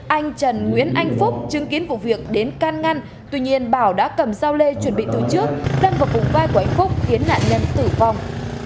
anh trần nguyễn anh phúc chứng kiến vụ việc đến can ngăn tuy nhiên bảo đã cầm dao lê chuẩn bị từ trước đâm vào vùng vai của anh phúc khiến nạn nhân tử vong